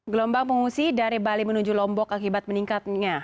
gelombang pengungsi dari bali menuju lombok akibat meningkatnya